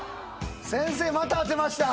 先生また当てました！